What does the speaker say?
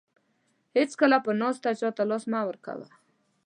هیڅکله په ناسته چاته لاس مه ورکوه.